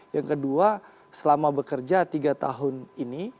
yang kedua selama bekerja tiga tahun ini